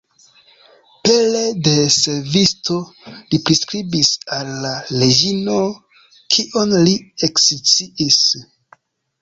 Pere de servisto li priskribis al la reĝino, kion li eksciis.